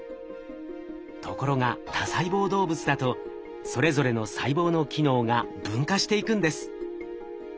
ところが多細胞動物だとそれぞれの細胞の機能が分化していくんです。